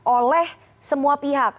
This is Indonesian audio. oleh semua pihak